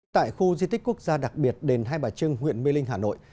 tại khu di tích quốc gia đặc biệt đền hai bà trưng huyện mê linh hà nội